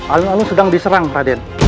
alun alun sedang diserang raden